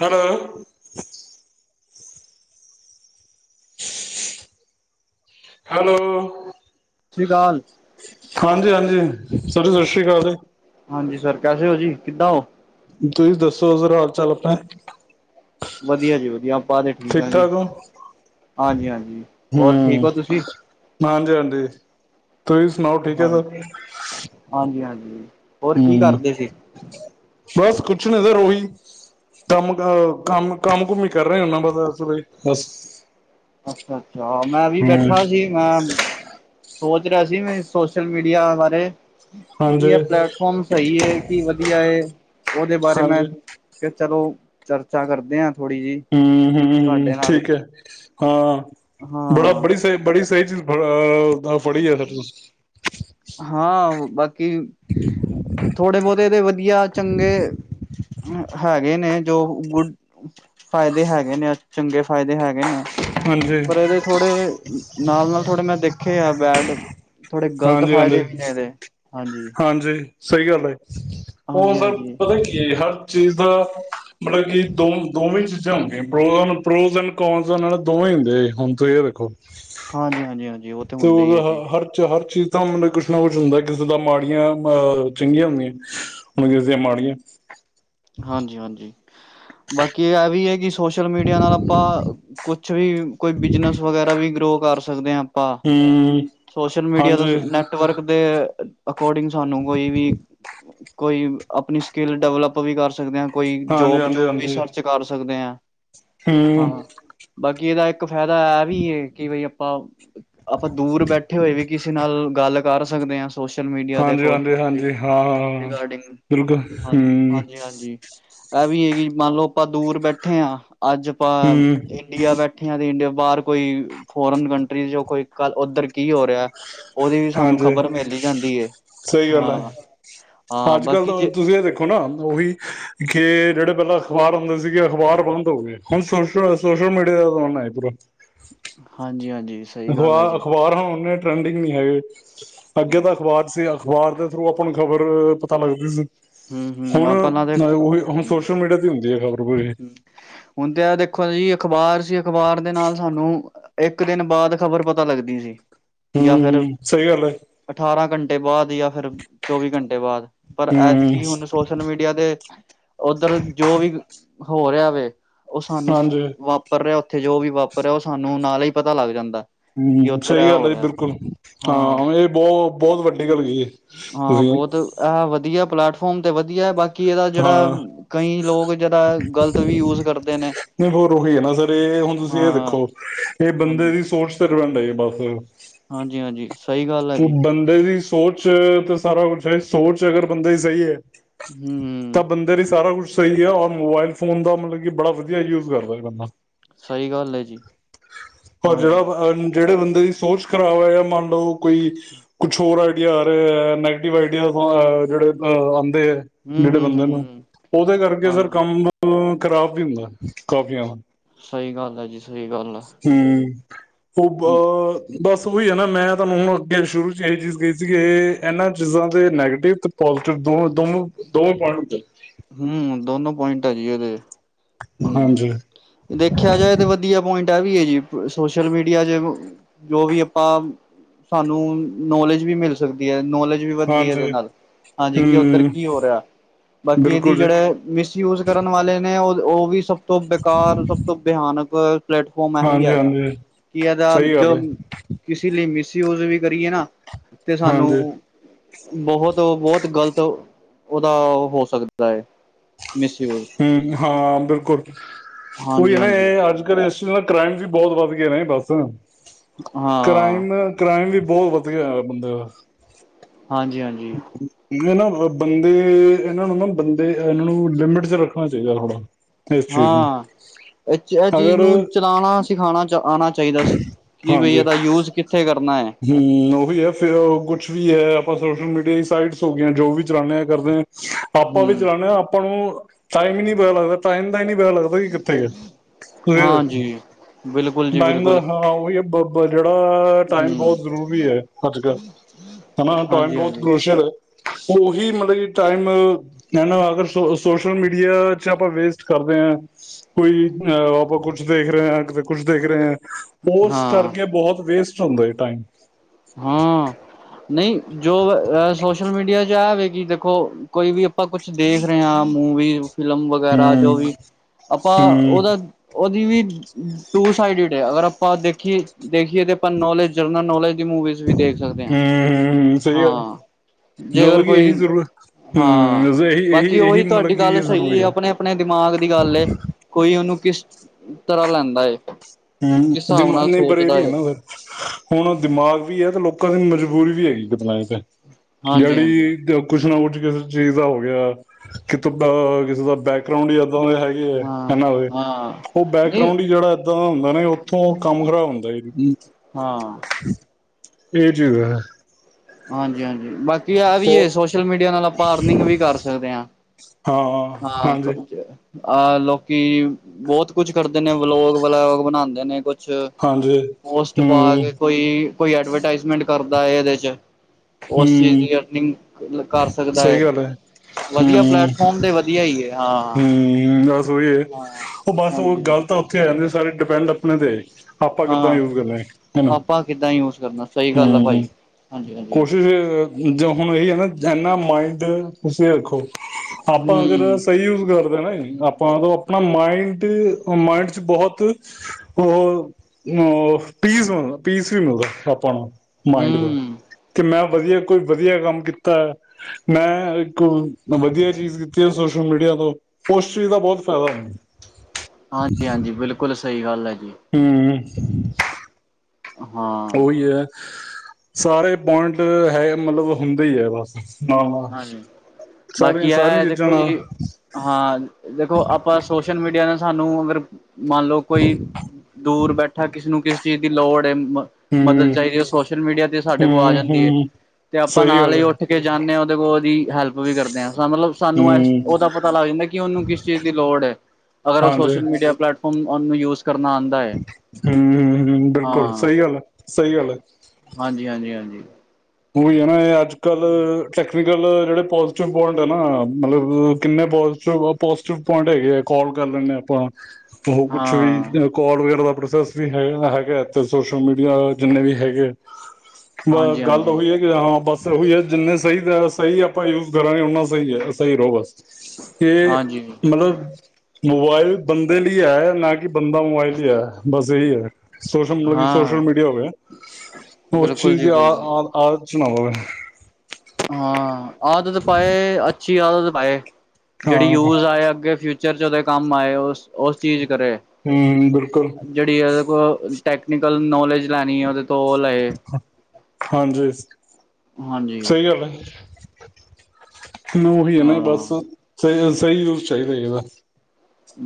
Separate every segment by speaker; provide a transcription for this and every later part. Speaker 1: Hello? [inaudible] Hello?
Speaker 2: ਸਤਿ ਸ਼੍ਰੀ ਅਕਾਲ।
Speaker 1: ਹਾਂਜੀ-ਹਾਂਜੀ। ਸਾਡਾ ਸਤਿ ਸ੍ਰੀ ਅਕਾਲ ਏ।
Speaker 2: ਹਾਂਜੀ ਸਰ, ਕੈਸੇ ਹੋ ਜੀ? ਕਿੱਦਾਂ ਹੋ?
Speaker 1: ਤੁਸੀਂ ਦੱਸੋ ਸਰ ਹਾਲ ਚਾਲ ਆਪਣੇ।
Speaker 2: ਵਧੀਆ ਜੀ ਵਧੀਆ। ਆਪਾਂ ਤੇ ਠੀਕ ਹਾਂ ਜੀ।
Speaker 1: ਠਾਕ ਹੋ
Speaker 2: ਹਾਂਜੀ-ਹਾਂਜੀ। ਹੋਰ ਠੀਕ ਹੋ ਤੁਸੀਂ?
Speaker 1: ਹਾਂਜੀ-ਹਾਂਜੀ। ਤੁਸੀਂ ਸੁਣਾਓ ਠੀਕ ਹੈ,
Speaker 2: ਹਾਂ
Speaker 1: ਸਬ?
Speaker 2: ਹਾਂਜੀ ਹਾਂਜੀ ਹੋਰ ਕੀ ਕਰਦੇ ਸੀ?
Speaker 1: ਬਸ ਕੁਛ ਨਏ ਸਰ ਉਹੀ ਕੰਮ, ਕੰਮ, ਕੰਮ-ਕੁਮ ਹੀ ਕਰ ਰਿਹਾ ਹੁੰਨਾ ਇਸ ਵੇਲੇ। ਬਸ।
Speaker 2: ਅੱਛਾ-ਅਛਾ, ਮੈਂ ਵੀ
Speaker 1: ਹਮ
Speaker 2: ਬੈਠਾ ਸੀ ਮੈਂ ਸੋਚ ਰਿਹਾ ਸੀ ਮੈਂ ਸੋਸ਼ਲ ਮੀਡੀਆ ਬਾਰੇ ਕੀ
Speaker 1: ਹਾਂਜੀ
Speaker 2: ਹੈ ਪਲੈਟਫਾਰਮ ਸਹੀ ਹੈ ਕਿ ਵਧੀਆ ਹੈ, ਉਹਦੇ ਬਾਰੇ ਮੈਂ
Speaker 1: ਹਾਂਜੀ
Speaker 2: ਕਯਾ ਚਲੋ ਚਰਚਾ ਕਰਦੇ ਹਾਂ ਥੋੜ੍ਹੀ ਜਿਹੀ
Speaker 1: ਹੁਂ-ਹੁਂ,
Speaker 2: ਤੁਹਾਡੇ
Speaker 1: ਹੁਂ
Speaker 2: ਨਾਲ
Speaker 1: ਠੀਕ ਹੈ। ਹਾਂ ਬੜਾ
Speaker 2: ਹਾਂ
Speaker 1: ਬੜੀ ਸਹੀ ਬੜੀ ਇਹ ਗਾ ਆੱਸ ਫੜੀ ਆ ਸਰ
Speaker 2: ਕਿ ਥੋੜੇ ਬਹੁਤੇਦੇ ਵਧੀਆ ਚੰਗੇ ਹੈਗੇ ਨੇ ਜੋ ਗੁੱਡ ਫਾਇਦੇ ਹੈਗੇ ਨੇ ਚੰਗੇ ਫਾਇਦੇ ਹੈਗੇ ਨੇ
Speaker 1: ਹਾਂਜੀ
Speaker 2: ਪਰ ਇਹਦੇ ਥੋੜੇ ਨਾਲ ਨਾਲ ਥੋੜੇ ਮੈਂ ਦੇਖ ਖੇ ਆ ਬੈਡ
Speaker 1: ਹਾਂਜੀ
Speaker 2: ਫਾਇਦੇ
Speaker 1: ਹਾਂਜੀ
Speaker 2: ਵੀ ਨੇ ਇਹਦੇ
Speaker 1: ਹਾਂਜੀ ਸਹੀ ਗੱਲ ਉਹ ਸਰ
Speaker 2: ਹਾਂਜੀ-ਹਾਂਜੀ,
Speaker 1: ਪਤਾ ਕੀ ਹੈ ਹ ਚੀਜ਼ ਦਾ ਮਤਲਬ ਕਿ ਦੋ ਦੋਵੇ ਚੀਜ਼ਾਂ ਹੁੰਦੀਆਂ ਪਰੋਜ ਐਂਨ ਕੋਨਜ ਨਾਲ ਦੋਵੇਂ ਹੀ ਹੁੰਦੇ ਹੁਣ ਤੁਸੀਂ ਇਹ ਦੇਖੋ।
Speaker 2: ਹਾਂਜੀ ਹਾਂਜੀ ਹਾਂਜੀ ਉਹ ਤਾਂ
Speaker 1: ਤੇ
Speaker 2: ਹੁੰਦੇ ਹੀ ਹੈ ਜੀ
Speaker 1: ਉਹ ਹਰ ਹਰ ਚੀਜ਼ ਦਾ ਮਤਲਬ ਕੁਛ ਨਾ ਕੁਛ ਹੁੰਦਾ ਕਿਸੇ ਦਾ ਮਾੜੀਆਂ ਅਹ ਚੰਗੀਆਂ ਹੁੰਦੀਆਂ ਹੁ ਕਿਸ ਦੀਆਂ ਮਾੜੀਆਂ
Speaker 2: ਹਾਂਜੀ ਹਾਂਜੀ ਬਾਕੀ ਇਹ ਆ ਵੀ ਹੈ ਕਿ ਸੋਸ਼ਲ ਮੀਡੀਆ ਨਾਲ ਆਪਾਂ ਕੁਛ ਵੀ ਕੋਈ ਬਿਜਨਸ ਵਗੈਰਾ ਵੀ ਲੋਕ ਕਰ ਸਕਦੇ ਹਾਂ ਆਪ
Speaker 1: ਹੂੰ
Speaker 2: ਸੋਸ਼ਲ ਮੀਡੀਆ ਦੇ
Speaker 1: ਹਾਂਜੀ
Speaker 2: ਨੈਟਵਰਕ ਦੇ ਅਕੋਰਡਿੰਗ ਸਾਨੂੰ ਕੋਈ ਵੀ ਕੋਈ ਆਪਣੀ ਸਕਿੱਲ ਡਵਲਪ ਆਪਾਂ ਵੀ ਕਰ ਸਕਦੇ ਹਾਂ ਕੋਈ
Speaker 1: ਹਾਂਜੀ
Speaker 2: ਜੋਬ
Speaker 1: ਹਾਂਜੀ
Speaker 2: ਜੋਬ ਵੀ
Speaker 1: ਹਾਂਜੀ
Speaker 2: ਸਰਚ ਕਰ ਸਕਦੇ ਹਾਂ
Speaker 1: ਹੂੰ
Speaker 2: ਹਾਂ ਬਾਕੀ ਇਹਦਾ ਇੱਕ ਫਾਇਦਾ ਇਹ ਵੀ ਕਿ ਬਈ ਪਾ ਆਪਾਂ ਦੂਰ ਬੈਠੇ ਹੋਏ ਵੀ ਕਿਸੇ ਨਾਲ ਗੱਲ ਕਰ ਸਕਦੇ ਹਾਂ ਸੋਸ਼ਲ ਮੀਡੀਆ ਦੇ
Speaker 1: ਹਾਂਜੀ
Speaker 2: ਕੋਲ
Speaker 1: ਹਾਂਜੀ ਹਾਂਜੀ ਹਾਂ ਹਾਂ
Speaker 2: ਰਿਗਾਰਡਿੰਗ
Speaker 1: ਬਿਲਕੁਲ
Speaker 2: ਹਾਂ
Speaker 1: ਹੂੰ
Speaker 2: ਹਾਂਜੀ ਹਾਂਜੀ ਇਹ ਵੀ ਹੈ ਜੀ ਮੰਨ ਲਓ ਆਪਾਂ ਦੂਰ ਬੈਠੇ ਹਾਂ ਅੱਜ ਆਪਾਂ
Speaker 1: ਹੂੰ
Speaker 2: ਇੰਡੀਆ ਬੈਠੇ ਆ ਤੇ ਇੰਡੀਆ ਬਾਹਰ ਕੋਈ ਫੋਰਨ ਕੰਟਰੀ ਕੋਈ ਕੱਲ ਉੱਧਰ ਕੀ ਹੋ ਰਿਹਾ ਉਹਦੀ ਵੀ ਸਾਨੂੰ
Speaker 1: ਹਾਂਜੀ
Speaker 2: ਖਬਰ ਮਿਲ ਹੀ ਜਾਂਦੀ
Speaker 1: ਸਹੀ ਗੱਲ ਹੈ
Speaker 2: ਹਾਂ ਹਾਂ ਬਾਕੀ ਜੇ।
Speaker 1: ਓਹੀ ਕੇ। ਜਿਹੜੇ ਪਹਿਲਾਂ ਅਖ਼ਬਾਰ ਹੁੰਦੇ ਸੀ ਅਖ਼ਬਾਰ ਬੰਦ ਹੋ ਗਏ ਹੁਣ ਸੋਸ਼ਲ ਮੀਡੀਆ ਦਾ ਜਮਾਨਾ ਹੈ ਅੱਜਕਲ।
Speaker 2: ਹਾਂਜੀ ਹਾਂਜੀ। ਸਹੀ ਗੱਲ ਹੈ
Speaker 1: ਅਖ਼ਬਾਰ
Speaker 2: ਜੀ
Speaker 1: ਅਖ਼ਬਾਰ ਹ ਉਹਨੇ। ਰੰਡਿੰਗ ਨੀ ਹੈ । ਅੱਗੇ ਤਾਂ ਅਖ਼ਬਾਰ ਸੀ। ਅਖ਼ਬਾਰ ਦੇ ਥਰੂ ਆਪਾ ਨੂੰ ਖ਼ਬਰ ਪਤਾ ਲੱਗਦੀ ਸੀ।
Speaker 2: ਹਮ
Speaker 1: ਹੁਣ
Speaker 2: ਹਮ ਪਹਿਲਾਂ ਦੇ
Speaker 1: ਉਹੀ ਹੁਣ
Speaker 2: ਹਮ
Speaker 1: ਸੋਸ਼ਲ ਮੀਡੀਆ ਤੇ ਹੁੰਦੀ ਹੈ ਖ਼ਬਰ। ਪੂਰੀ
Speaker 2: ਹੁਣ ਤੇ ਆ ਦੇਖ। ਖਾਲੀ ਅਖ਼ਬਾਰ ਸੀ। ਅਖ਼ਬਾਰ ਦੇ ਨਾਲ ਸਾਨੂੰ। ਇੱਕ ਦਿਨ ਬਾਅਦ ਖ਼ਬਰ ਪਤਾ ਲੱਗਦੀ ਸੀ। ਜਾਂ ਫਿਰ
Speaker 1: ਹੂੰ ਸਹੀ ਗੱਲ ਹੈ
Speaker 2: ਅਠਾਰਾਂ ਘੰਟੇ। ਤੇ ਬਾਅਦ ਆ ਫਿਰ ਚੌਵੀ ਘੰਟੇ ਬਾਅਦ ਪਰ ਅੱਜ
Speaker 1: ਹੂੰ
Speaker 2: ਕੀ ਹੁਣ ਸੋਸ਼ਲ ਮੀਡੀਆ ਤੇ। ਉੱਧਰ ਜੋ ਵੀ ਹੋ ਰਿਹਾ ਵੈ। ਉਹ ਸਾਨੂੰ
Speaker 1: ਹਾਂਜੀ
Speaker 2: ਵਾਪਰ ਰਿਹਾ ਇੱਥੇ ਜੋ ਵੀ ਵਾਪਰਿਆ ਉਹ ਸਾਨੂੰ ਨਾਲ ਹੀ ਪਤਾ ਲੱਗ ਜਾਂਦਾ। ਕਿ
Speaker 1: ਹਮ
Speaker 2: ਉੱਧਰ
Speaker 1: ਸਹੀ
Speaker 2: ਇਹ
Speaker 1: ਗੱਲ ਹੈ
Speaker 2: ਹੋ
Speaker 1: ਜੀ
Speaker 2: ਰਿਹਾ
Speaker 1: ਬਿਲਕੁਲ ਹਾਂ ਇਹ ਬਹੁਤ ਬਹੁਤ ਵੱਡੀ ਗੱਲ ਗ ਤੁਸੀਂ।
Speaker 2: ਪਲੇੈਟਫਾਰਮ ਤੇ ਵਧੀਆ ਬਾਕੀ। ਕਿ ਇਹਦਾ ਜਿਹੜਾ
Speaker 1: ਹਾਂ
Speaker 2: ਕਈ ਲੋਕ। ਜਿਹੜਾ ਗ਼ਲਤ ਵੀ ਯੂਜ ਕਰਦੇ ਨੇ
Speaker 1: ਨਹੀਂ ਹੋਰ ਉਹੀ ਹੈ ਨਾ ਸਰ ਇਹ ਹੁਣ ਤੁਸੀਂ ਇਹ
Speaker 2: ਹਾਂ
Speaker 1: ਦੇਖੋ ਇਹ ਬੰਦੇ
Speaker 2: ਹਾਂਜੀ
Speaker 1: ਦੀ ਸੋਚ ਤੇ ਡਿਪੈਂਡ ਹੈ ਬਸ
Speaker 2: ਹਾਂਜੀ ਹਾਂਜੀ ਸਹੀ ਗੱਲ ਹੈ ਜੀ
Speaker 1: ਬੰਦੇ ਦੀ ਸੋਚ ਤੇ ਸਾਰਾ ਕੁੱਛ ਹੈ ਸੋਚ। ਅਗਰ ਬੰਦਾ ਹੀ ਸਹੀ ਹੈ। ਤਾਂ
Speaker 2: ਹੂੰ,
Speaker 1: ਬੰਦਰ ਹੀ ਸਾਰਾ ਕੁੱਛ। ਸਈ ਆ ਔਰ ਮੋਬਾਇਲ ਫੋਨ ਦਾ ਮਤਲਬ ਕਿ ਬੜਾ ਵਧੀਆ ਯੂਜ ਕਰਦਾ ਬੰਦਾਂ।
Speaker 2: ਸਈ ਗੱਲ ਐ ਜੀ
Speaker 1: ਔਰ
Speaker 2: ਹਾਂਜੀ।
Speaker 1: ਜਿਹੜਾ ਜਿਹੜੇ ਬੰਦੇ ਦੀ ਸੋਚ ਖ਼ਰਾਬ ਹੈ ਜਾਂ ਮੰਨ ਲਓ ਕੋਈ ਕੁੱਛ ਹੋਰ ਆਈਡੀਆ ਆ ਰਿਹਾ ਹੈ ਨੈਗੇਟਿਵ ਆਈਡੀਆ ਜਿਹੜੇ ਆਉਂਦੇ ਹੈ। ਜਿਹੜੇ ਬੰਦੇ ਨੂੰ
Speaker 2: ਹੂੰ-ਹੂੰ-ਹੂੰ,
Speaker 1: ਉਹਦੇ ਕਰਕੇ ਸਰ
Speaker 2: ਹਾਂਜੀ।
Speaker 1: ਕੰਮ ਖਰਾਬ ਵੀ ਹੁੰਦਾ। ਕੌਫੀਆਂ,
Speaker 2: ਸਹੀ ਗੱਲ ਹੈ ਜੀ। ਸਹੀ ਗੱਲ ਆ।
Speaker 1: ਉਹ ਗੋਡ ਬਸ ਉਹੀ ਹੈ, ਨਾ ਮੈਂ ਤੁਹਾਨੂੰ ਅੱਗੇ ਸ਼ੁਰੂ ਚ ਇਹੀ ਚੀਜ਼ ਕਹੀ ਸੀਗੀ ਇਹ ਇਹਨਾਂ ਚੀਜ਼ਾਂ ਦੇ ਨੈਗੇਟਿਵ ਤੇ ਪੋਜੀਟਿਵ ਦੋਵੇ ਦੋ ਦੋ ਪੁਆਇੰਟ ਹੁੰਦੇ ।
Speaker 2: ਹੂੰ, ਦੋਨੋ ਪੁਆਇੰਟ ਆ ਜੀ ਇਹਦੇ, ਹੂੰ,
Speaker 1: ਹਾਂਜੀ
Speaker 2: ਦੇਖਿਆ ਜਾਏ ਤੇ ਵਧੀਆ ਪੁਆਇੰਟ ਆ ਵੀ ਹੈ ਜੀ ਸੋਸ਼ਲ ਮੀਡੀਆ ਤੇ ਜੋ ਵੀ ਆਪਾਂ ਸਾਨੂੰ ਨੌਲੇਜ ਵੀ ਮਿਲ ਸਕਦੀ ਹੈ। ਨੌਲੇਜ ਵੀ ਵੱਧਦੀ ਹੈ, ਇਹਦੇ
Speaker 1: ਹਾਂਜੀ
Speaker 2: ਨਾਲ ਹਾਂਜੀ ਕਿ ਉੱਧਰ
Speaker 1: ਹਮ
Speaker 2: ਕੀ ਹੋ ਰਿਹਾ ਬਾਕੀ ਇਹਦੀ
Speaker 1: ਬਿਲਕੁਲ ਜੀ
Speaker 2: ਜਿਹੜੇ ਮਿਸਯੂਜ ਕਰਨ ਵਾਲੇ ਨੇ ਉਹ ਉਹ ਵੀ ਸਭ ਸਭ ਤੋਂ ਬੇਕਾਰ ਸਭ ਤੋਂ ਭਿਆਨਕ । ਪਰ, ਪਲੇਟਫਾਰਮ ਆਹੀ
Speaker 1: ਹਾਂਜੀ
Speaker 2: ਹੈਗਾ,
Speaker 1: ਹਾਂਜੀ
Speaker 2: ਕਿ ਇਹਦਾ
Speaker 1: ਸਹੀ ਗੱਲ
Speaker 2: ਜੋ
Speaker 1: ਹੈ
Speaker 2: ਕਿਸੇ ਲਈ ਮਿਸ [inaudible] ਵੀ ਕਰੀਏ ਨਾ। ਤੇ
Speaker 1: ਹਾਂਜੀ
Speaker 2: ਸਾਨੂੰ, ਬਹੁਤ ਉਹ ਬਹੁਤ ਗ਼ਲਤ ਉਹਦਾ ਹੋ ਸਕਦਾ ਹੈ। ਮਿਸਯੂਜ
Speaker 1: ਹੂੰ, ਹਾਂ। ਹਾਂ ਬਿਲਕੁਲ ਉਹੀ
Speaker 2: ਹਾਂਜੀ
Speaker 1: ਹੈ ਨਾ
Speaker 2: ਹਾਂਜੀ
Speaker 1: ਇਹ ਅੱਜ ਕੱਲ੍ਹ ਕ੍ਰਾਈਮ ਵੀ ਬਹੁਤ ਵੱਧ ਗਏ ਨੇ ਬਸ
Speaker 2: ਹਾਂ
Speaker 1: ਕ੍ਰਾਈਮ ਕ੍ਰਾਈਮ ਵੀ ਬਹੁਤ ਵੱਧ ਗਿਆ । ਬੰਦੇ ਆ
Speaker 2: ਹਾਂਜੀ ਹਾਂਜੀ,
Speaker 1: ਇਹ ਨਾ ਬੰਦੇ ਇਹਨਾਂ ਨੂੰ ਨਾ ਬੰਦੇ ਇਹਨਾਂ ਨੂੰ ਲਿਮਿਟ ਚ ਰੱਖਣਾ ਚਾਹੀਦਾ ਥੋੜਾ ਇਸ ਚੀਜ਼ ਨੂੰ
Speaker 2: ਹਾਂ ਇਸ ਚ ਇਹ ਚੀਜ਼
Speaker 1: ਅਗਰ
Speaker 2: ਨੂੰ ਚਲਾਣਾ ਸਿਖਾਣਾ ਆਣਾ। ਇਹ ਦੱਸ ਕਿ ਬਈ ਇਸਦਾ ਯੂਜ ਕਿੱਥੇ। ਕਰਨਾ ਹੈ
Speaker 1: ਹੂੰ, ਉਹ ਹੀ ਹੈ ਫ਼ਿਰ ਉਹ ਕੁਛ ਵੀ ਹੈ। ਆਪਾਂ ਸੋਸ਼ਲ ਮੀਡੀਆ ਹੀ ਸਾਈਟਸ ਹੋ ਗਈਆਂ ਜੋ ਵੀ ਚਲਾਨੇ ਆ ਕਰਦੇ ਆ। ਆਪਾਂ ਵੀ
Speaker 2: ਹਮ
Speaker 1: ਚਲਾਨੇ ਹਾਂ ਆਪਾਂ ਨੂੰ ਟਾਈਮ ਨਹੀਂ ਪਤਾ ਲਗਦਾ ਟਾਈਮ, ਨੀ ਪਤਾ ਲੱਗਦਾ, ਕਿ ਕਿੱਥੇ ਆ ਤੁਸੀਂ
Speaker 2: ਹਾਂਜੀ ਬਿਲਕੁਲ ਜੀ
Speaker 1: ਦੇਖੋ
Speaker 2: ਬਿਲਕੁਲ
Speaker 1: ਹਾਂ ਉਹੀ ਬਬਾ ਜਿਹੜਾ ਟਾਈਮ ਬਹੁਤ
Speaker 2: ਹਮ
Speaker 1: ਜ਼ਰੂਰੀ ਹੈ, ਅੱਜ ਕੱਲ ਹਨਾ ਟਾਈਮ
Speaker 2: ਹਾਂਜੀ
Speaker 1: ਬਹੁਤ
Speaker 2: ਹਾਂਜੀ
Speaker 1: ਕਰੋਸ਼ਰ ਹੈ। ਉਹੀ ਮਤਲਬ ਕਿ ਟਾਈਮ ਹਨਾ ਅਗਰ ਸੋ ਸੋਸ਼ਲ ਮੀਡੀਆ ਚ ਆਪਾਂ ਵੇਸਟ ਕਰਦੇ ਹਾਂ ਕੋਈ ਅਹ ਆਪਾਂ ਕੁਛ ਦੇਖ ਰਹੇ ਹਾਂ ਕਿਤੇ ਕੁਛ ਦੇਖ ਰਹੇ ਹ ਉਸ
Speaker 2: ਹਾਂ
Speaker 1: ਕਰਕੇ ਬਹੁਤ ਵੇਸਟ ਹੁੰਦਾ ਟਾਈਮ
Speaker 2: ਹਾਂ। ਨਹੀਂ ਜੋ ਸੋਸ਼ਲ ਮੀਡੀਆ ਜਾਵੇ ਕਿ ਦੇਖੋ ਕੋਈ ਵੀ ਆਪਾਂ ਕੁਛ ਦੇਖ ਰਹੇ ਹਾਂ ਮੂਵੀ ਫ਼ਿਲਮ ਵਗੈਰਾ
Speaker 1: ਹਮ
Speaker 2: ਜੋ ਵੀ ਆਪਾਂ
Speaker 1: ਹਮ
Speaker 2: ਉਹਦਾ ਉਹਦੀ ਵੀ ਟੂ ਸਾਈਡਡ ਹੈ ਅਗਰ ਆਪਾ ਦੇਖੀਏ ਤਾਂ ਆਪਾਂਲੇਜ ਜਨਰਲ ਨੌਲੇਜ ਮੂਵੀਜ਼ ਵੀ ਦੇਖ ਸਕਦੇ ਹਾਂ
Speaker 1: ਹੂੰ ਸਹੀ ਗੱਲ
Speaker 2: ਹਾਂ ਜੇਗਰ
Speaker 1: ਜਦੋਂ ਕਿ
Speaker 2: ਕੋਈ
Speaker 1: ਇਹੀ ਜ਼ਰੂਰ
Speaker 2: ਹਾਂ
Speaker 1: ਹੂੰ ਇਹੀ ਇਹੀ
Speaker 2: ਬਾਕੀ
Speaker 1: ਇਹੀ
Speaker 2: ਉਹੀ ਤੁਹਾਡੀ
Speaker 1: ਮਤਲਬ ਕਿ
Speaker 2: ਗੱਲ ਸਹੀ
Speaker 1: ਜ਼ਰੂਰੀ
Speaker 2: ਹੈ ਆਪਣੇ ਆਪਣੇ ਦਿਮਾਗ ਦੀ ਗੱਲ ਏ ਕੋਈ ਉਹਨੂੰ ਕਿਸ ਤਰ੍ਹਾਂ ਲੈਂਦਾ?
Speaker 1: ਹਮ
Speaker 2: ਕਿਸ ਹਿਸਾਬ
Speaker 1: ਦਿਮਾਗ
Speaker 2: ਨਾਲ
Speaker 1: ਨਹੀਂ ਪਰ ਇਹ
Speaker 2: ਸੋਚਦਾ
Speaker 1: ਵੀ ਹੈ
Speaker 2: ਏ
Speaker 1: ਨਾ ਫਿਰ ਹੁਣ ਉਹ ਦਿਮਾਗ ਵੀ ਹੈ ਤੇ ਲੋਕਾਂ ਦੀ ਮਜਬੂਰੀ ਵੀ ਹੈਗੀ ਕਿਤਨਾ ਤੇ
Speaker 2: ਹਾਂਜੀ ਹਾਂਜੀ
Speaker 1: ਜੜੀ ਕੁੱਛ ਨਾ ਕੁੱਛ ਕਿਸ ਚੀਜ਼ ਦਾ ਹੋ ਗਿਆ ਕਿ ਕਿਸੇ ਦਾ ਬੈਕਗਰਾਉਂਡ ਜਾਂ ਉਹਦੇ ਹੈਗੇ ਹੈ
Speaker 2: ਹਾਂ
Speaker 1: ਹਨਾ ਉਹਦੇ
Speaker 2: ਹਾਂ
Speaker 1: ਉਹ
Speaker 2: ਨਹੀਂ
Speaker 1: ਬੈਕਗਰਾਉਂਡ ਹੀ ਜਿਹੜਾ ਤੋ ਬਨੇ ਉੱਥੋਂ ਕੰਮ ਖਰਾਬ ਹੁੰਦਾ ਜ।
Speaker 2: ਹਾਂ
Speaker 1: ਇਹ ਜਗਾ
Speaker 2: ਹਾਂਜੀ ਹਾਂਜੀ ਬਾਕੀ ਕਿ ਆ ਵੀ ਇਹ ਸੋਸ਼ਲ ਮੀਡੀਆ ਨਾਲ ਆਪਾਂ ਅਰਨਿੰਗ ਵੀ ਕਰ ਸਕਦੇ ਹਾਂ।
Speaker 1: ਹਾਂ ਹਾਂਜੀ।
Speaker 2: ਅਹ ਲੋਕੀ ਬਹੁਤ ਕੁਛ ਕਰਦੇ ਨੇ ਵਲੋਗ ਵਲੋਗ ਬਣਾਉਂਦੇ ਨੇ ਕੁਛ ਕੁਛ
Speaker 1: ਹਾਂਜੀ
Speaker 2: ਪੋਸਟ ਪਾ
Speaker 1: ਹੂੰ
Speaker 2: ਕੇ ਕੋਈ ਕੋਈ ਐਡਵਰਟਾਈਜ਼ਮੈਂਟ ਕਰਦਾ ਹੈ ਇਹਦੇ ਚ। ਉਸ ਚੀਜ਼
Speaker 1: ਹੂੰ
Speaker 2: ਦੀ ਅਰਨਿੰਗ ਕਰ ਸਕਦਾ ਹੈ
Speaker 1: ਸਹੀ ਗੱਲ
Speaker 2: ਵਧੀਆ
Speaker 1: ਹੂੰ
Speaker 2: ਪਲੈਟਫਾਰਮ ਤੇ ਵਆ ਹੈ। ਹਾਂ
Speaker 1: ਹਮ।
Speaker 2: ਹਾਂ
Speaker 1: ਉਹ ਬਸ ਉਹ
Speaker 2: ਹਾਂਜੀ
Speaker 1: ਗੱਲ ਤਾਂ ਉੱਥੇ ਆ ਸਾਰੇ ਡਿਪੈਂਡ ਆਪਣੇ ਦੇ
Speaker 2: ਹਾਂ ਆਪਾਂ ਕਿੱਦਾਂ ਯੂਜ ਕਰਨਾ ਸਹੀ ਗੱਲ ਆ
Speaker 1: ਹਮ
Speaker 2: ਭਾਜੀ ਹ
Speaker 1: ਕੋਸ਼ਿਸ਼ ਜ ਹੁਣ ਇਹੀ ਹੈ ਨਾ ਇਨਾ ਮਾਇੰਡ ਤੁਸੀਂ ਰੱਖੋ ਆਪਾਂ ਅਗਰ
Speaker 2: ਹਮ
Speaker 1: ਸਹੀ ਯੂਜ ਕਰਦੇ ਹ ਨਾ ਜੀ ਆਪਾਂ ਆਪਾਂ ਆਪਣਾ ਮਾਇੰਡ ਮਾਇੰਡ ਚ ਬਹੁਤ ਉਹ ਅ ਪੀਸ ਮ ਪੀਸ ਵੀ ਮਿਲਦਾ ਆਪਾਂ ਨੂੰ ਮਾਇੰਡ ਦਾ
Speaker 2: ਹਮ
Speaker 1: ਕਿ ਮੈਂ ਵਧੀਆ ਕੋਈ ਵਧੀਆ ਕੰਮ ਕੀਤਾ ਮੈਂ ਇੱਕ ਵਧੀਆ ਚੀਜ਼ ਕੀਤੀ ਹੈ ਸੋਸ਼ਲ ਮੀਡੀਆ ਤੋਂ ਉਸ ਚੀਜ਼ ਦਾ ਬਹੁਤ ਫਾਇਦਾ ਮੈੂੰ
Speaker 2: ਹਾਂਜੀ ਹਾਂਜੀ ਬਿਲਕੁਲ ਸਹੀ ਗੱਲ ਹੈ ਜੀ
Speaker 1: ਹਮ
Speaker 2: ਹਾਂ
Speaker 1: ਉਹੀ ਹੈ ਸਾਰੇ ਪੁਆਇੰਟ ਹੈ ਮਤਲਬ ਹੁੰਦਾ ਹੀ ਹੈ ਬਸ ਨਾਲ ਨਾਲ
Speaker 2: ਹਾਂਜੀ
Speaker 1: ਸਾਰੀਆਂ
Speaker 2: ਬਾਕੀ
Speaker 1: ਸਾਰੀਆਂ
Speaker 2: ਇਹ
Speaker 1: ਚੀਜ਼ਾਂ
Speaker 2: ਦੇਖੋ
Speaker 1: ਨਾਲ
Speaker 2: ਜੀ ਹਾਂ ਦੇਖੋ ਆਪਾਂ ਸੋਸ਼ਲ ਮੀਡੀਆ ਨਾਲ ਸਾਨੂੰ ਅਗਰ ਮੰਨ ਲਓ ਕੋਈ ਦੂਰ ਬੈਠਾ ਕਿਸੇ ਨੂੰ ਕਿਸ ਚੀਜ਼ ਦੀ ਲੋਡ ਮਦਦ
Speaker 1: ਹੂੰ
Speaker 2: ਚਾਹੀਦੀ ਹੈ ਉਹ ਸੋਸ਼ਲ ਮੀਡੀਆ ਤੇ ਸਾਡੇ ਕੋਲ ਆ
Speaker 1: ਹੂੰ
Speaker 2: ਜਾਂਦੀ ਹੈ
Speaker 1: ਹੂੰ
Speaker 2: ਤੇ ਆਪਾਂ
Speaker 1: ਸਹੀ
Speaker 2: ਨਾਲ
Speaker 1: ਗੱਲ
Speaker 2: ਹੀ
Speaker 1: ਹੈ
Speaker 2: ਉੱਠ ਕੇ ਜਾਂਦੇ ਹਾਂ ਉਹਦੀ ਹੈਲਪ ਵੀ ਕਰਦੇ ਹਾਂ ਮਤਲਬ ਸਾਨੂੰ
Speaker 1: ਹੂੰ
Speaker 2: ਉਹਦਾ ਪਤਾ ਲੱਗ ਜਾਂਦਾ ਕਿ ਉਹਨੂੰ ਕਿਸ ਚੀਜ਼ ਦੀ ਲੋੜ ਹੈ ਅਗਰ ਉਹ ਸੋਸ਼ਲ ਮੀਡੀਆ ਪਲੇੈਟਫਾਰਮ ਉਹਨੂੰ ਯੂਜ ਕਰਨਾ ਆਉਂਦਾ ਹੈ
Speaker 1: ਹਮ ਹ ਹਮ ਬਿਲਕੁਲ
Speaker 2: ਹਾਂ
Speaker 1: ਸਹੀ ਗੱਲ ਹੈ ਸਹੀ ਗੱਲ ਹੈ
Speaker 2: ਹਾਂਜੀ ਹਾਂਜੀ ਹਾਂਜੀ
Speaker 1: ਹੋ ਯ ਅੱਜ ਕੱਲ ਟੈਕ ਲ ਜਿਹੜੇ ਪੋਜੀਟਿਵ ਪੁਆਇੰਟ ਹੈ ਨਾ ਮਤਲਬ ਕਿੰਨੇ ਪੋਟਿਵ ਪੋਜੀਟਿਵ ਪੁਆਇੰਟ ਹੈਗੇ ਆ ਕੋਲ ਕਰ ਲੈਂਦੇ ਹਾਂ ਆਪਾਂ ਹੋ ਕੁਛ
Speaker 2: ਹਾਂ
Speaker 1: ਵੀ ਕੋਲ ਵਗੈਰਾ ਦਾ ਪ੍ਰੋਸੈਸ ਵੀ ਹੈਗਾ ਹੈਗਾ ਤੇ ਸੋਸ਼ਲ ਮੀਡੀਆ ਜਿੰਨੇ ਵੀ ਹੈਗੇ ਵ
Speaker 2: ਹਾਂਜੀ
Speaker 1: ਗੱਲ
Speaker 2: ਹਾਂਜੀ
Speaker 1: ਉਹੀ ਹੈ ਕਿ ਹ ਬਸ ਸਹੀ ਹੈ ਜਿੰਨੇ ਸਹੀ ਦਾ ਸਹੀ ਆਪਾਂ ਯੂਜ ਕਰਾਂਗੇ ਉਨਾ ਸਹੀ ਹੈ ਸਹੀ ਰਹੋ ਬਸ ਕਿ
Speaker 2: ਹਾਂਜੀ
Speaker 1: ਮਤਲਬ ਮੋਬਾਈਲ ਬੰਦੇ ਲਈ ਹੈ ਨਾ ਕਿ ਬੰਦਾ ਮੋਬਾਈਲ ਚ ਹੈ ਬਸ ਇਹੀ ਹੈ ਸੋਸ਼ਲ ਮਤਲਬ ਸੋਸ਼ਲ
Speaker 2: ਹਾਂ
Speaker 1: ਮੀਡੀਆ ਹੋਵੇ
Speaker 2: ਬਿਲਕੁਲ ਜੀ ਬਿਲਕੁਲ।
Speaker 1: ਆਹ ਸੁਣਾਵੋ ਹੋਰ
Speaker 2: ਹਾਂ ਆਦਤ ਪਾਏ ਅੱਛੀ ਆਦਤ ਪਾਏ। ਜਿਹੜੀ
Speaker 1: ਹਾਂ
Speaker 2: ਯੂਜ ਆਏਆ ਅੱਗੇ ਫਿਊਚਰ ਚਜ ਦੇ ਕੰਮ ਆਏ ਉਸ ਉਸ ਚੀਜ਼ ਕਰੇ
Speaker 1: ਹਮ ਬਿਲਕੁਲ
Speaker 2: ਜਿਹੜੀ ਉਹਦੇ ਕੋਲ ਟੈਕਨੀਕਲ ਨੋਲੇਜ ਲੈਣੀ ਹੈ ਉਹਦੇ ਤੋਂ ਉਹ ਲਏ
Speaker 1: ਹਾਂਜੀ
Speaker 2: ਹਾਂਜੀ
Speaker 1: ਸਹੀ ਗੱਲ ਹੈ। ਨਾ ਉਹ ਹੀ ਹੈ ਨਾ ਬਸ
Speaker 2: ਹਾਂ
Speaker 1: ਸਹੀ ਸਹੀ ਰੂਜ ਚਾਹੀਦਾ ਏਹਦਾ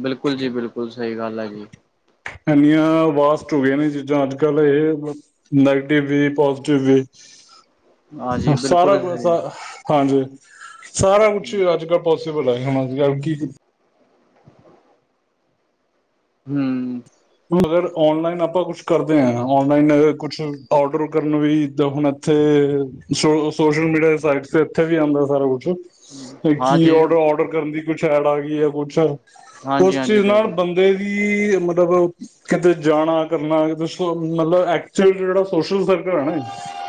Speaker 2: ਬਿਲਕੁਲ ਜੀ ਬਿਲਕੁਲ ਸਹੀ ਗੱਲ ਹੈ ਜੀ।
Speaker 1: ਇੰਨੀਆਂ ਵਾਸਟ ਹੋ ਗਈਆਂ ਨੇ ਚੀਜ਼ਾਂ ਅੱਜ ਕੱਲ੍ਹ ਇਹ ਨੈਗੇਟਿਵ ਵੀ ਪੋਜ਼ੀਟਿਵ ਵੀ
Speaker 2: ਹਾਂਜੀ
Speaker 1: ਸਾਰਾ
Speaker 2: ਬਿਲਕੁਲ
Speaker 1: ਕੁ
Speaker 2: ਸਹੀ
Speaker 1: ਹਾਂਜੀ ਸਾਰਾ ਕੁਛ ਅੱਜ ਕੱਲ੍ਹ ਬਹੁਤ ਮਤਲਬ ਕੀ
Speaker 2: ਹੂੰ
Speaker 1: ਅਗਰ ਔਨਲਾਈਨ ਆਪਾਂ ਕੁਛ ਕਰਦੇ ਹਾਂ ਔਨਲਾਈਨ ਕੁਛ ਔਡਰ ਕਰਨ ਵੀ ਤਾਂ ਹੁਣ ਇੱਥੇ ਸੋਸ਼ਲ ਮੀਡੀਆ ਸਾਈਟ ਤੇ ਇੱਥੇ ਵੀ ਆਉਂਦਾ ਸਾਰਾ ਕੁਛ ਕੀ
Speaker 2: ਹਾਂਜੀ
Speaker 1: ਔਡਰ ਔਡਰ ਕਰਨ ਦੀ ਕੁਛ ਐਡ ਆ ਗਈ ਹੈ ਕੁੱਛ
Speaker 2: ਹਾਂਜੀ
Speaker 1: ਉਸ
Speaker 2: ਹਾਂਜੀ
Speaker 1: ਚੀਜ਼ ਨਾਲ
Speaker 2: ਬਿਲਕੁਲ
Speaker 1: ਬੰਦੇ ਦੀ ਕੀ ਮਤਲਬ ਕਿਤੇ ਜਾਣਾ ਕਰਨਾ ਕਿ ਮਤਲਬ ਐਕਚੁਅਲ ਜਿਹੜਾ ਸੋਸ਼ਲ ਸਰਕਲ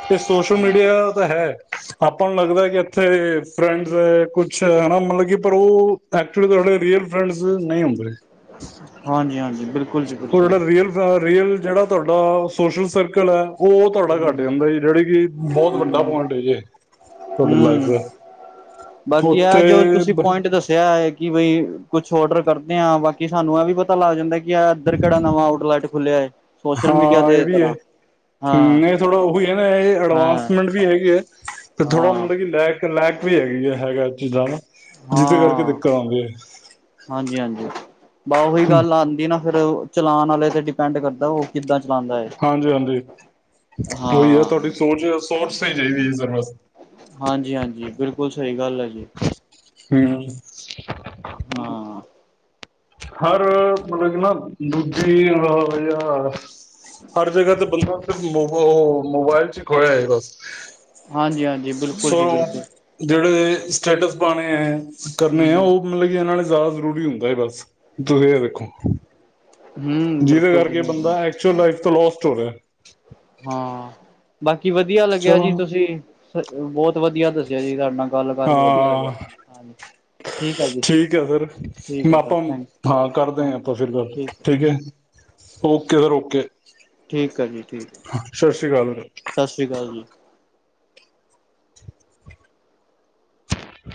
Speaker 1: ਤੇ ਸੋਸ਼ਲ ਮੀਡੀਆ ਤਾਂ ਹੈ ਆਪਾਂ ਨੂੰ ਲੱਗਦਾ ਕਿ ਇੱਥੇ ਫਰੈਂਡਸ ਹੈ ਕੁਛਾ ਮਤਲਬ ਕਿ ਪਰ ਉਹ ਐਕਚੁਲੀੇ ਰੀਅਲ ਫਰੈਂਡ ਨਹੀਂ ਹੁੰਦੇ।
Speaker 2: ਹਾਂਜੀ ਹਾਂਜੀ ਬਿਲਕੁਲ ਜੀ
Speaker 1: ਉਹ
Speaker 2: ਬਿਲਕੁਲ
Speaker 1: ਜਿਹੜਾ ਰੀਅਲ ਫਰੈਂਡ ਰੀਅਲ ਜਿਹੜਾ ਤੁਹਾਡਾ ਸੋਸ਼ਲ ਸਰਕਲ ਹੈ। ਉਹ ਤੁਹਾਡਾ ਘੱਟ ਜਾਂਦਾ ਜੀ ਜਿਹੜੀ ਕਿ ਬਹੁਤ ਵੱਡਾ ਪੁਆਇੰਟ ਹੈ ਜੇ
Speaker 2: ਹੂੰ ਬਾਕੀ ਆ
Speaker 1: ਉੱਥੇ
Speaker 2: ਜੋ ਤੁਸੀਂ ਪੁਆਇੰਟ ਦੱਸਿਆ ਹੈ ਕਿ ਕੁਛ ਔਡਰ ਕਰਦੇ ਹਾਂ ਬਾਕੀ ਸਾਨੂੰ ਇਹ ਵੀ ਪਤਾ ਲੱਗ ਜਾਂਦਾ। ਦਰਰ ਕੜ ਨਵ ਆਡ ਲਟ ਖੁੱਲਿਆ ਏ।
Speaker 1: ਹਾਂ ਇਹ ਵੀ ਹੈ ਹ
Speaker 2: ਹਾਂ
Speaker 1: ਇਹ ਥੋੜਾ ਉਹੀ ਹੈ ਨਾ ਇਹ
Speaker 2: ਹਾਂ
Speaker 1: ਅਡਵਾਂਸਮੈਂਟ ਵੀ ਹੈਗੀ ਹੈ। ਤੇ ਥੋੜਾ
Speaker 2: ਹਾਂ
Speaker 1: ਮਤਲਬ ਕਿ ਲੈਕ ਲੈਕ ਵੀ ਹੈਗੀ ਆ ਹੈਗਾ ਜਾਣਾ
Speaker 2: ਹਾਂ ਹਾਂਜੀ ਹਾਂਜੀ ਬੱਸ ਉਹੀ ਗੱਲ ਆਉਂਦੀ ਨਾ ਫਿਰ ਚਲਾਨ ਵਾਲੇ ਤੇ ਡਿਪੈਂਡ ਕਰਦਾ ਉਹ ਕਿੱਦਾਂ ਚਲਾਉਂਦਾ ਹੈ
Speaker 1: ਹਾਂਜੀ ਹਾਂਜੀ ਉਹੀ ਹੈ
Speaker 2: ਹਾਂ
Speaker 1: ਤੁਹਾਡੀ ਸੋਚ ਸੋਰਸ ਚਾਹੀਦੀ ਹੈ ਸਰ
Speaker 2: ਹਾਂਜੀ ਹਾਂਜੀ
Speaker 1: ਬ
Speaker 2: ਬਿਲਕੁਲ ਸਹੀ ਗੱਲ ਹੈ ਜੀ
Speaker 1: ਹਮ
Speaker 2: ਹਾਂ
Speaker 1: ਹਰ ਮਤਲਬ ਕਹਿੰਦਾ ਹਰ ਜਗ੍ਹਾ ਤੇ ਬੰਦਾ ਮੋਬਾਇਲ ਚ ਖੋਏ ਹੈ ਬਸ
Speaker 2: ਹਾਂਜੀ ਹਾਂਜੀ ਬਿਲਕੁਲ
Speaker 1: ਸੋ
Speaker 2: ਜੀ ਬਿਲਕੁਲ
Speaker 1: ਜਿਹੜੇ ਸਟੇਟਸ ਪਾਣੇ ਹੈ ਕਰਨੇ ਆ
Speaker 2: ਹਮ
Speaker 1: ਉਹ ਮਤਲਬ ਕਿ ਇਹਨਾਂ ਨੇ ਜ਼ਿਆਦਾ ਜ਼ਰੂਰੀ ਹੁੰਦਾ ਹੈ ਬਸ ਤੁਸੀਂ ਇਹ ਦੇਖੋ
Speaker 2: ਹਮ
Speaker 1: ਜਿਹਦੇ
Speaker 2: ਬਿਲਕੁਲ
Speaker 1: ਕਰਕੇ
Speaker 2: ਜੀ
Speaker 1: ਬੰਦਾ ਐਕਚੁਅਲ ਲਾਈਫ ਤੋਂ ਲੋਸ [unintelligible] ਹੋਵੈ
Speaker 2: ਹਾਂ ਕੀ ਵਧੀਆ ਲੱਗਿਆ
Speaker 1: ਚਲੋ
Speaker 2: ਜੀ ਤੁਸੀਂ ਬਹੁਤ ਵਧੀਆ ਦੱਸਿਆ ਜੀ ਤੁਹਾਡ
Speaker 1: ਹਾਂ
Speaker 2: ਠੀਕ ਹੈ ਜੀ
Speaker 1: ਠੀਕ ਹੈ ਸਰ
Speaker 2: ਠੀਕ ਹੈ ਸਰ
Speaker 1: ਆਪਾਂ
Speaker 2: ਥੈਂਕ
Speaker 1: ਹਾਂ ਕਰਦੇ ਹ ਆਪਾਂ ਫਿਰ ਗੱਲ ਠੀਕ ਹੈ ਓਕੇ ਸਰ ਓਕੇ
Speaker 2: ਠੀਕ ਆ ਜੀ ਠੀਕ ਹੈ
Speaker 1: ਸਤਿ ਸ਼੍ਰੀ ਅਕਾਲ ਵੀਰੇ
Speaker 2: ਸਤਿ ਸ੍ਰੀ ਅਕਾਲ ਜੀ